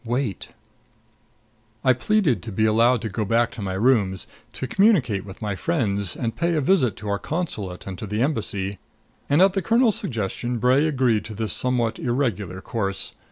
Wait!" I pleaded to be allowed to go back to my rooms, to communicate with my friends, and pay a visit to our consulate and to the Embassy; and at the colonel's suggestion Bray agreed to this somewhat irregular course.